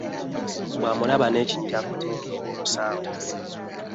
Bw’amulaba n’ekinyira ku nnyindo, ogwo musango.